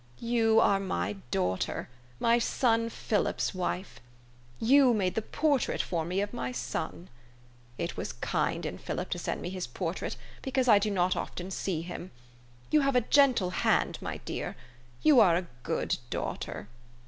You are my daughter, my son Philip's wife. You made the portrait for me of my son. It was kind in Philip to send me his portrait, because I do not see him very often. You have a gentle hand, my dear. You are a good daughter."